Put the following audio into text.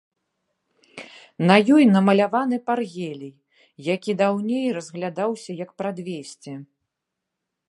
На ёй намаляваны паргелій, які даўней разглядаўся як прадвесце.